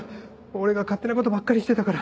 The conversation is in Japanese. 俺が勝手な事ばっかりしてたから。